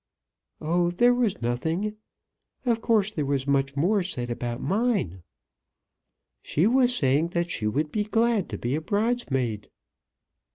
"Oh, there was nothing. Of course there was much more to say about mine. She was saying that she would be glad to be a bridesmaid."